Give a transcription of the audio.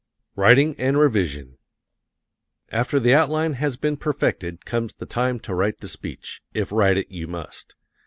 Writing and Revision After the outline has been perfected comes the time to write the speech, if write it you must.